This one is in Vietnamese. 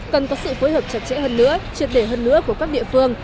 cần có sự phối hợp chặt chẽ hơn nữa triệt để hơn nữa của các địa phương